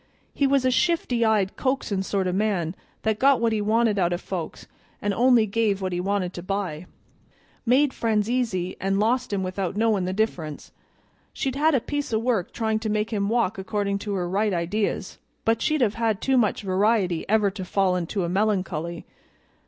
He was a shifty eyed, coaxin' sort of man, that got what he wanted out o' folks, an' only gave when he wanted to buy, made friends easy and lost 'em without knowin' the difference. She'd had a piece o' work tryin' to make him walk accordin' to her right ideas, but she'd have had too much variety ever to fall into a melancholy.